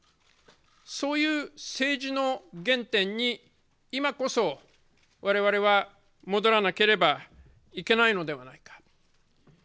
そういう政治の原点に今こそ、われわれは戻らなければいけないのではないか。